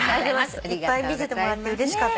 いっぱい見せてもらってうれしかった。